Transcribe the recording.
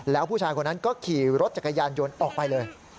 แล้วผู้ชายคนนั้นก็ขี่รถจักรยานยนต์ออกไปเลย